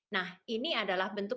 nah ini adalah bentuk